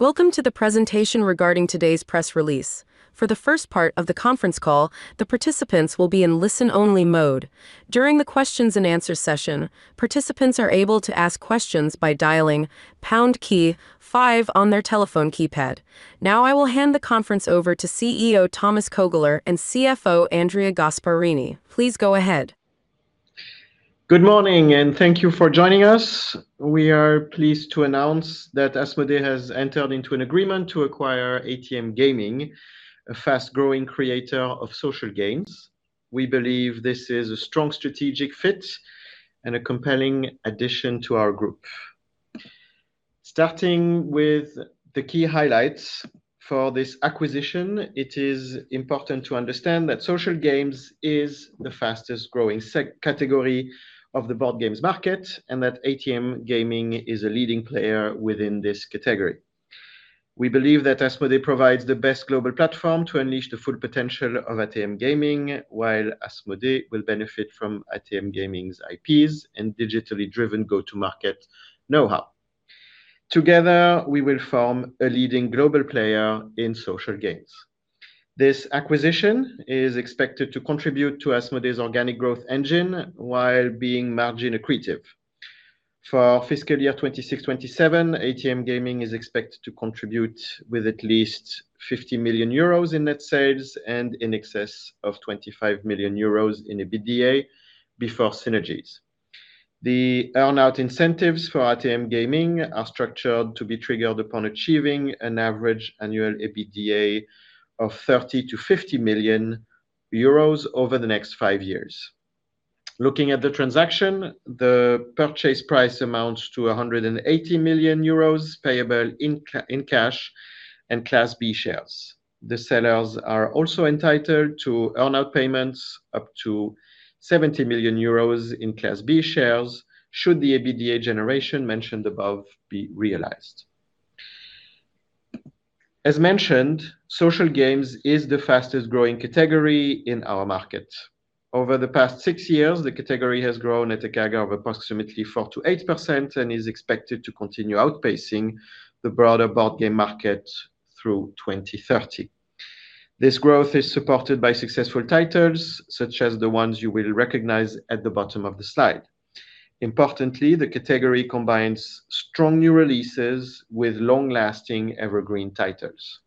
Welcome to the presentation regarding today's press release. For the first part of the conference call, the participants will be in listen-only mode. During the questions and answer session, participants are able to ask questions by dialing pound key five on their telephone keypad. Now, I will hand the conference over to CEO Thomas Kœgler; and CFO Andrea Gasparini. Please go ahead. Good morning, and thank you for joining us. We are pleased to announce that asmodee has entered into an agreement to acquire ATM Gaming, a fast-growing creator of social games. We believe this is a strong strategic fit and a compelling addition to our group. Starting with the key highlights for this acquisition, it is important to understand that social games is the fastest growing category of the board games market, and that ATM Gaming is a leading player within this category. We believe that asmodee provides the best global platform to unleash the full potential of ATM Gaming, while asmodee will benefit from ATM Gaming's IPs and digitally driven go-to-market know-how. Together, we will form a leading global player in social games. This acquisition is expected to contribute to asmodee's organic growth engine while being margin accretive. For our fiscal year 2026-2027, ATM Gaming is expected to contribute with at least 50 million euros in net sales and in excess of 25 million euros in EBITDA before synergies. The earn-out incentives for ATM Gaming are structured to be triggered upon achieving an average annual EBITDA of 30 million-50 million euros over the next five years. Looking at the transaction, the purchase price amounts to 180 million euros payable in cash and Class B shares. The sellers are also entitled to earn-out payments up to 70 million euros in Class B shares should the EBITDA generation mentioned above be realized. As mentioned, social games is the fastest growing category in our market. Over the past six years, the category has grown at a CAGR of approximately 4%-8% and is expected to continue outpacing the broader board game market through 2030. This growth is supported by successful titles, such as the ones you will recognize at the bottom of the slide. Importantly, the category combines strong new releases with long-lasting evergreen titles.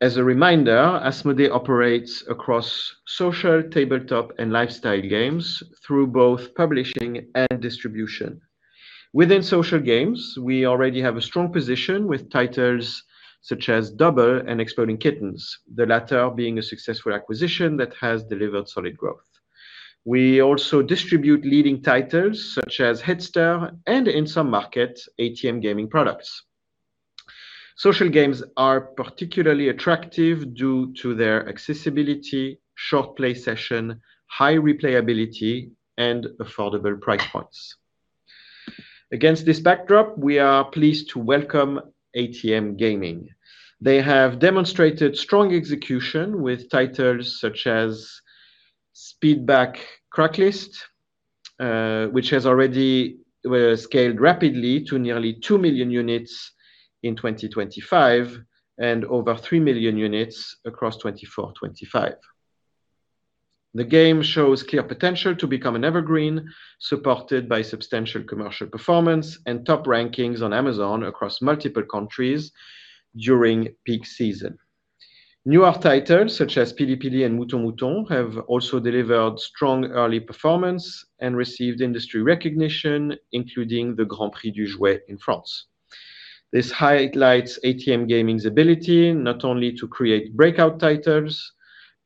As a reminder, asmodee operates across social, tabletop, and lifestyle games through both publishing and distribution. Within social games, we already have a strong position with titles such as Dobble and Exploding Kittens, the latter being a successful acquisition that has delivered solid growth. We also distribute leading titles such as Hitster and, in some markets, ATM Gaming products. Social games are particularly attractive due to their accessibility, short play session, high replayability, and affordable price points. Against this backdrop, we are pleased to welcome ATM Gaming. They have demonstrated strong execution with titles such as Crack List, which has already scaled rapidly to nearly 2 million units in 2025 and over 3 million units across 2024, 2025. The game shows clear potential to become an evergreen, supported by substantial commercial performance and top rankings on Amazon across multiple countries during peak season. Newer titles such as Pili Pili and Mouton Mouton have also delivered strong early performance and received industry recognition, including the Grand Prix du Jouet in France. This highlights ATM Gaming's ability not only to create breakout titles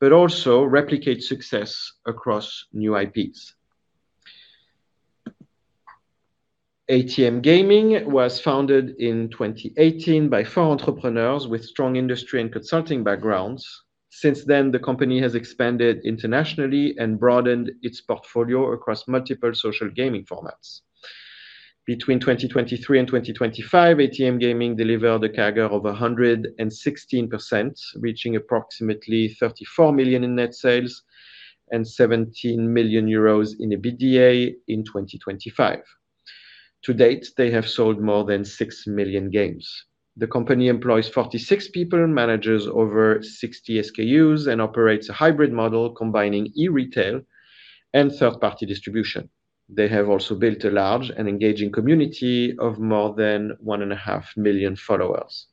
but also replicate success across new IPs. ATM Gaming was founded in 2018 by four entrepreneurs with strong industry and consulting backgrounds. Since then, the company has expanded internationally and broadened its portfolio across multiple social gaming formats. Between 2023 and 2025, ATM Gaming delivered a CAGR of 116%, reaching approximately 34 million in net sales and 17 million euros in EBITDA in 2025. To date, they have sold more than 6 million games. The company employs 46 people, manages over 60 SKUs, and operates a hybrid model combining e-retail and third-party distribution. They have also built a large and engaging community of more than 1.5 million followers.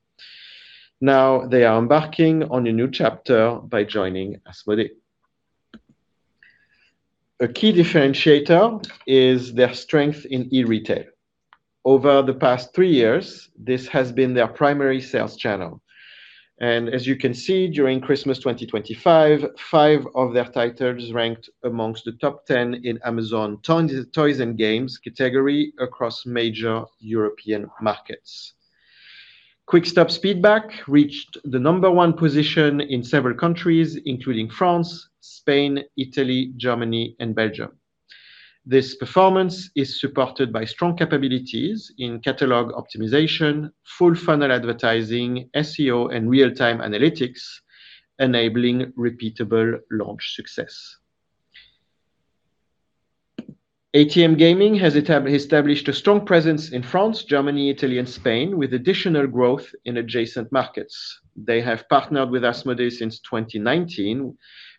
Now they are embarking on a new chapter by joining asmodee. A key differentiator is their strength in e-retail. Over the past three years, this has been their primary sales channel. As you can see, during Christmas 2025, five of their titles ranked amongst the top 10 in Amazon toys, and games category across major European markets. Quickstop reached the number one position in several countries, including France, Spain, Italy, Germany, and Belgium. This performance is supported by strong capabilities in catalog optimization, full funnel advertising, SEO, and real-time analytics, enabling repeatable launch success. ATM Gaming has established a strong presence in France, Germany, Italy, and Spain, with additional growth in adjacent markets. They have partnered with asmodee since 2019,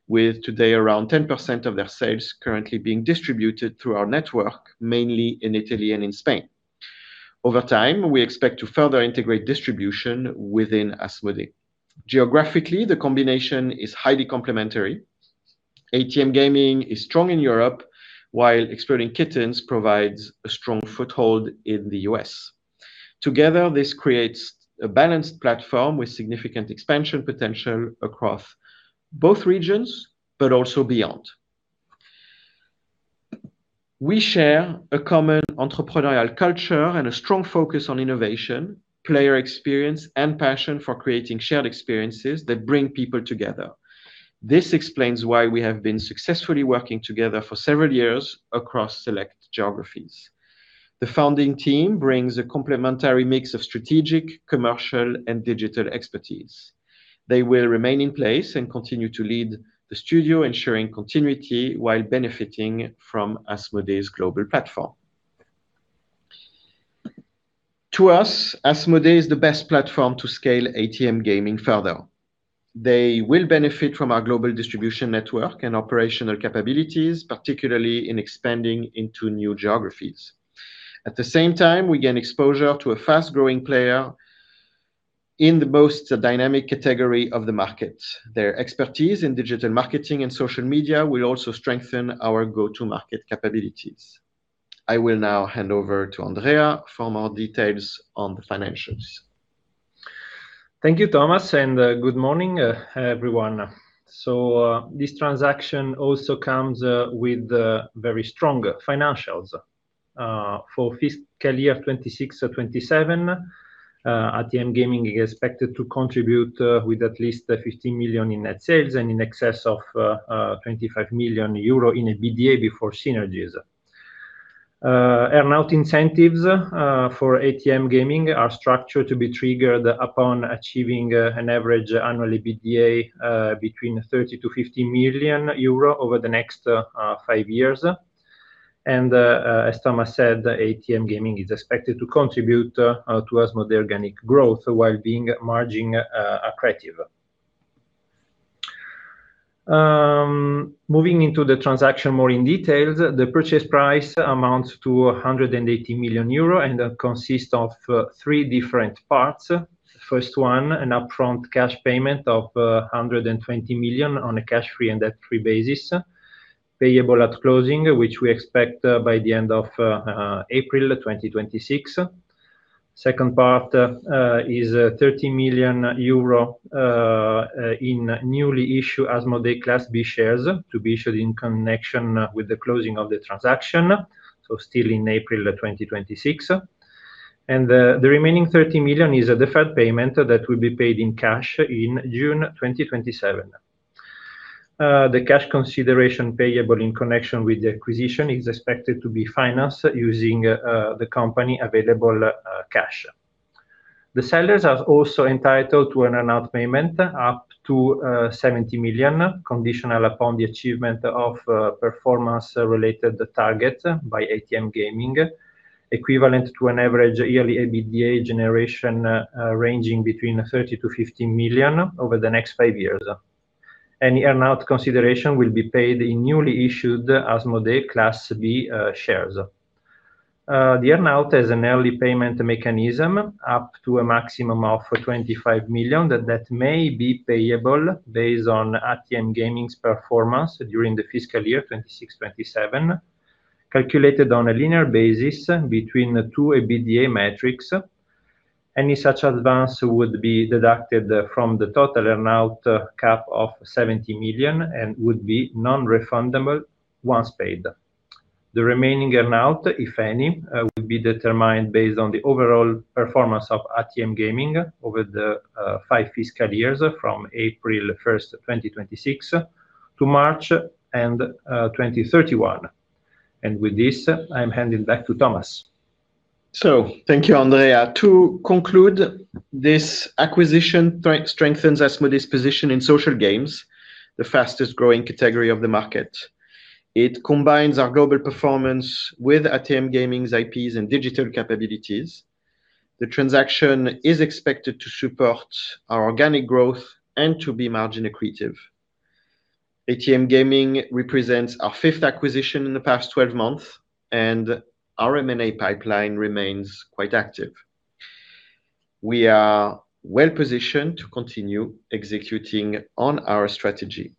with today around 10% of their sales currently being distributed through our network, mainly in Italy and in Spain. Over time, we expect to further integrate distribution within asmodee. Geographically, the combination is highly complementary. ATM Gaming is strong in Europe, while Exploding Kittens provides a strong foothold in the U.S. Together, this creates a balanced platform with significant expansion potential across both regions, but also beyond. We share a common entrepreneurial culture and a strong focus on innovation, player experience, and passion for creating shared experiences that bring people together. This explains why we have been successfully working together for several years across select geographies. The founding team brings a complementary mix of strategic, commercial, and digital expertise. They will remain in place and continue to lead the studio, ensuring continuity while benefiting from asmodee's global platform. To us, asmodee is the best platform to scale ATM Gaming further. They will benefit from our global distribution network and operational capabilities, particularly in expanding into new geographies. At the same time, we gain exposure to a fast-growing player in the most dynamic category of the market. Their expertise in digital marketing and social media will also strengthen our go-to-market capabilities. I will now hand over to Andrea for more details on the financials. Thank you, Thomas, and good morning, everyone. This transaction also comes with very strong financials. For fiscal year 2026 or 2027, ATM Gaming is expected to contribute with at least 50 million in net sales and in excess of 25 million euro in EBITDA before synergies. Earn-out incentives for ATM Gaming are structured to be triggered upon achieving an average annual EBITDA between 30 million-50 million euro over the next five years. As Thomas said, ATM Gaming is expected to contribute to asmodee organic growth while being margin accretive. Moving into the transaction more in details, the purchase price amounts to 180 million euro and consists of three different parts. First one, an upfront cash payment of 120 million on a cash-free and debt-free basis, payable at closing, which we expect by the end of April 2026. Second part is 30 million euro in newly issued asmodee Class B shares to be issued in connection with the closing of the transaction, so still in April 2026. The remaining 30 million is a deferred payment that will be paid in cash in June 2027. The cash consideration payable in connection with the acquisition is expected to be financed using the company's available cash. The sellers are also entitled to an earn-out payment up to 70 million, conditional upon the achievement of performance-related targets by ATM Gaming, equivalent to an average yearly EBITDA generation ranging between 30 million-50 million over the next five years. Any earn-out consideration will be paid in newly issued asmodee Class B shares. The earn-out has an early payment mechanism up to a maximum of 25 million that may be payable based on ATM Gaming's performance during the fiscal year 2026, 2027, calculated on a linear basis between two EBITDA metrics. Any such advance would be deducted from the total earn-out cap of 70 million and would be non-refundable once paid. The remaining earn-out, if any, would be determined based on the overall performance of ATM Gaming over the five fiscal years from April 1st, 2026 to March 31st, 2031. With this, I'm handing back to Thomas. Thank you, Andrea. To conclude, this acquisition strengthens asmodee's position in social games, the fastest-growing category of the market. It combines our global performance with ATM Gaming's IPs and digital capabilities. The transaction is expected to support our organic growth and to be margin accretive. ATM Gaming represents our fifth acquisition in the past 12 months, and our M&A pipeline remains quite active. We are well-positioned to continue executing on our strategy.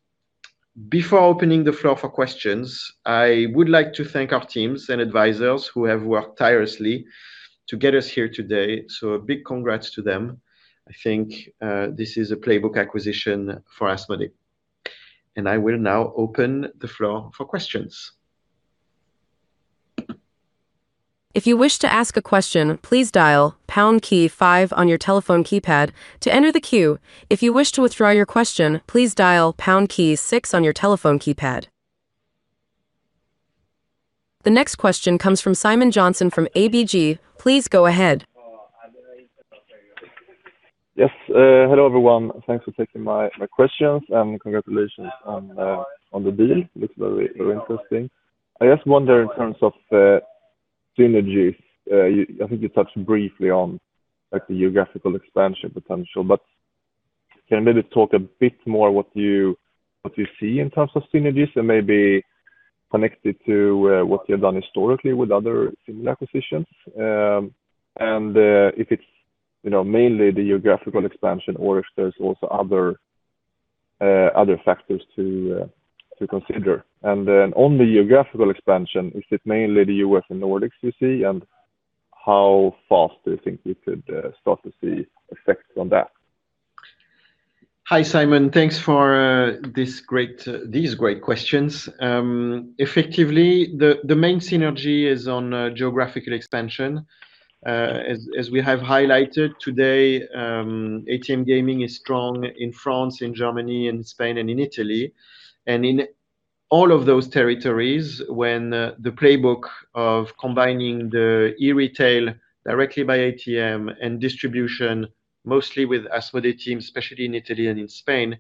Before opening the floor for questions, I would like to thank our teams and advisors who have worked tirelessly to get us here today, so a big congrats to them. I think, this is a playbook acquisition for asmodee. I will now open the floor for questions. If you wish to ask a question, please dial pound key five on your telephone keypad to enter the queue. If you wish to withdraw your question, please dial pound key six on your telephone keypad. The next question comes from Simon Jönsson from ABG. Please go ahead. Yes. Hello everyone. Thanks for taking my questions, and congratulations on the deal. Looks very interesting. I just wonder in terms of synergies. I think you touched briefly on like the geographical expansion potential, but can you maybe talk a bit more what you see in terms of synergies and maybe connect it to what you've done historically with other similar acquisitions, and if it's, you know, mainly the geographical expansion or if there's also other factors to consider. On the geographical expansion, is it mainly the U.S. and Nordics you see, and how fast do you think we could start to see effects on that? Hi Simon. Thanks for these great questions. Effectively, the main synergy is on geographical expansion. As we have highlighted today, ATM Gaming is strong in France, in Germany, in Spain, and in Italy. In all of those territories, the playbook of combining the e-retail directly by ATM and distribution mostly with asmodee team, especially in Italy and in Spain,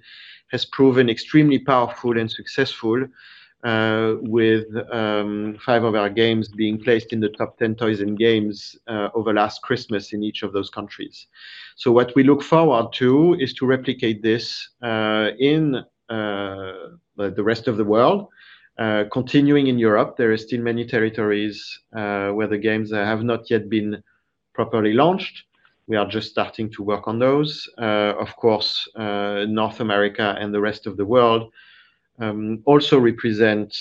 has proven extremely powerful and successful, with five of our games being placed in the top 10 toys and games over last Christmas in each of those countries. What we look forward to is to replicate this in the rest of the world, continuing in Europe. There are still many territories where the games have not yet been properly launched. We are just starting to work on those. Of course, North America and the rest of the world also represent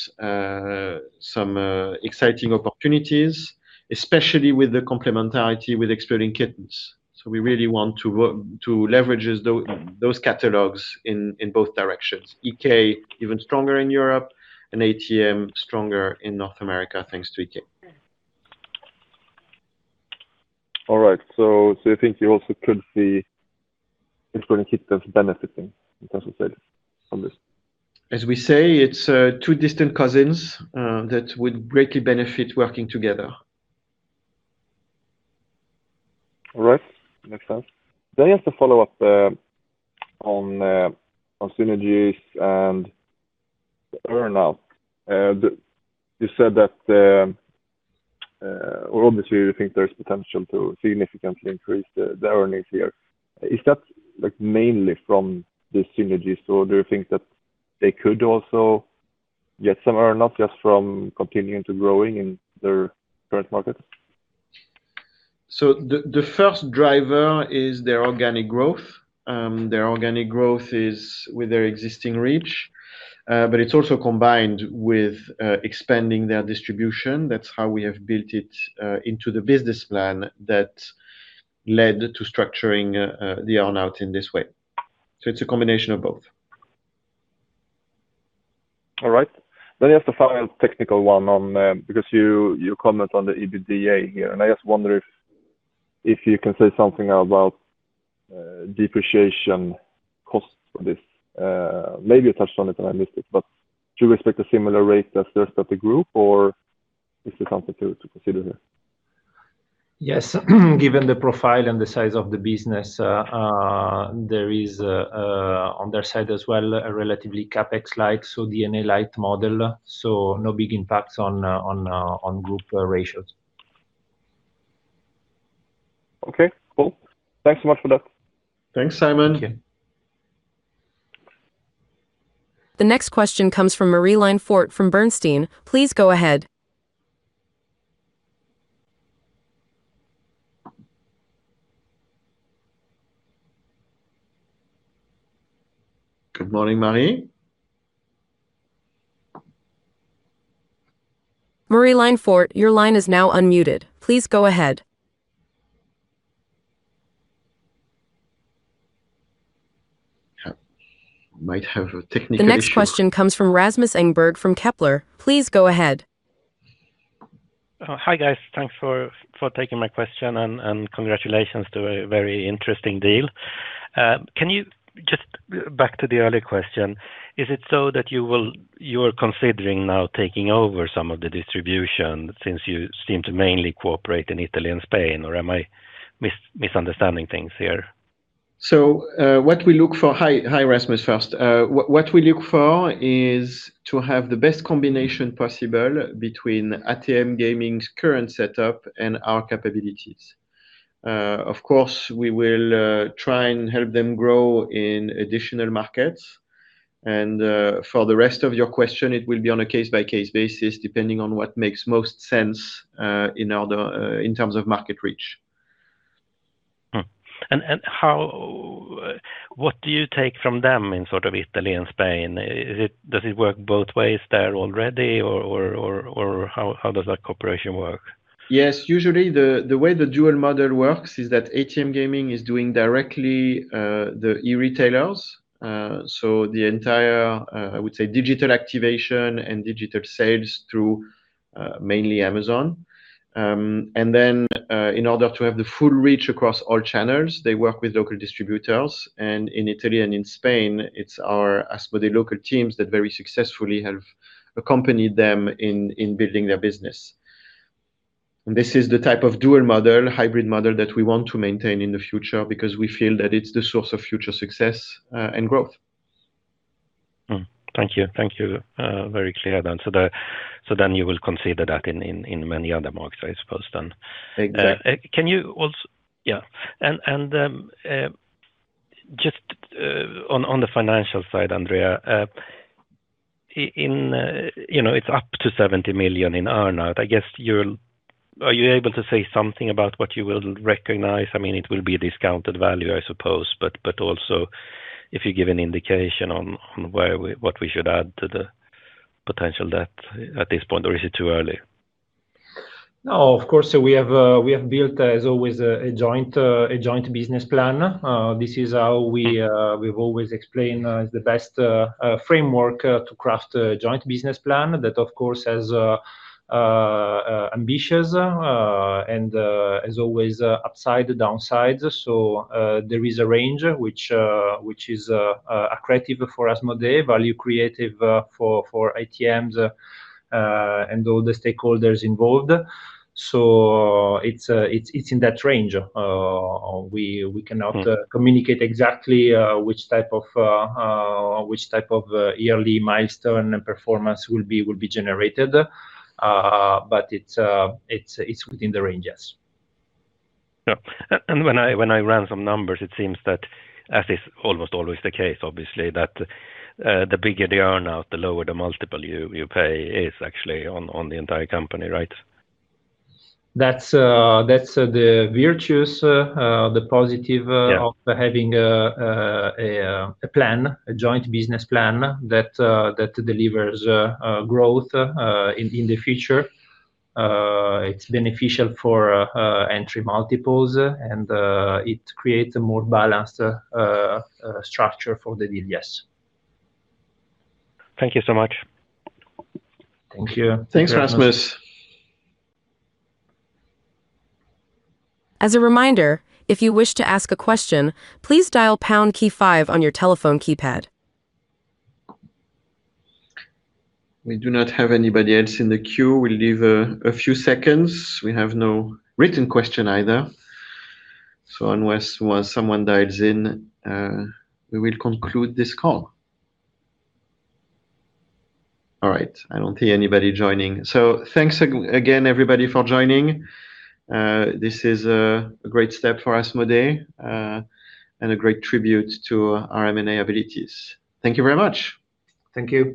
some exciting opportunities, especially with the complementarity with Exploding Kittens. We really want to leverage those catalogs in both directions. EK even stronger in Europe and ATM stronger in North America, thanks to EK. All right. You think you also could see Exploding Kittens benefiting in terms of sales on this? As we say, it's two distant cousins that would greatly benefit working together. All right. Makes sense. I have to follow up on synergies and the earn-out. You said that or obviously you think there's potential to significantly increase the earnings here. Is that, like, mainly from the synergies, or do you think that they could also get some earn-out just from continuing to growing in their current markets? The first driver is their organic growth. Their organic growth is with their existing reach, but it's also combined with expanding their distribution. That's how we have built it, the business plan that led to structuring the earn-out in this way. It's a combination of both. All right. I have the final technical one on, because you comment on the EBITDA here, and I just wonder if you can say something about, depreciation costs for this. Maybe you touched on it and I missed it, but do you expect a similar rate as the rest of the group or is this something to consider here? Yes. Given the profile and the size of the business, there is, on their side as well, a relatively CapEx light, so D&A light model, so no big impacts on group ratios. Okay. Cool. Thanks so much for that. Thanks, Simon. Thank you. The next question comes from Marie-Line Fort from Bernstein. Please go ahead. Good morning, Marie. Marie-Line Fort, your line is now unmuted. Please go ahead. Might have a technical issue. The next question comes from Rasmus Engberg from Kepler. Please go ahead. Hi guys. Thanks for taking my question, and congratulations to a very interesting deal. Can you just go back to the earlier question? Is it so that you're considering now taking over some of the distribution since you seem to mainly operate in Italy and Spain? Or am I misunderstanding things here? Hi, Rasmus first. What we look for is to have the best combination possible between ATM Gaming's current setup and our capabilities. Of course, we will try and help them grow in additional markets. For the rest of your question, it will be on a case-by-case basis, depending on what makes most sense in terms of market reach. What do you take from them in sort of Italy and Spain? Does it work both ways there already or how does that cooperation work? Yes. Usually, the way the dual model works is that ATM Gaming is doing directly the e-retailers, so the entire I would say digital activation and digital sales through mainly Amazon. Then, in order to have the full reach across all channels, they work with local distributors. In Italy and in Spain, it's our asmodee local teams that very successfully have accompanied them in building their business. This is the type of dual model, hybrid model that we want to maintain in the future because we feel that it's the source of future success and growth. Thank you. Very clear then. You will consider that in many other markets, I suppose then. Exactly. Can you also? Yeah. Just on the financial side, Andrea, in you know, it's up to 70 million in earn-out. Are you able to say something about what you will recognize? I mean, it will be a discounted value, I suppose, but also if you give an indication on what we should add to the potential debt at this point, or is it too early? No, of course. We have built as always a joint business plan. This is how we've always explained the best framework to craft a joint business plan that of course has ambitions and as always upside, downsides. There is a range which is accretive for asmodee, value creating for ATMs and all the stakeholders involved. It's in that range. We cannot- Mm. Communicate exactly which type of yearly milestone and performance will be generated. It's within the range, yes. Yeah. When I ran some numbers, it seems that as is almost always the case, obviously, that the bigger the earn-out, the lower the multiple you pay is actually on the entire company, right? That's the virtues. Yeah. The positive of having a plan, a joint business plan that delivers growth in the future. It's beneficial for entry multiples and it creates a more balanced structure for the deal. Yes. Thank you so much. Thank you. Thanks, Rasmus. As a reminder, if you wish to ask a question, please dial pound key five on your telephone keypad. We do not have anybody else in the queue. We'll leave a few seconds. We have no written question either. Unless someone dials in, we will conclude this call. All right. I don't see anybody joining. Thanks again, everybody, for joining. This is a great step for asmodee, and a great tribute to our M&A abilities. Thank you very much. Thank you.